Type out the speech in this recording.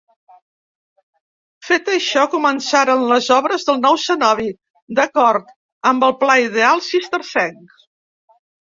Fet això començaren les obres del nou cenobi, d'acord amb el pla ideal cistercenc.